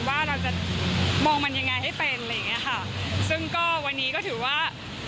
ว่าเราจะมองมันยังไงให้เป็นซึ่งวันนี้ก็ถือว่า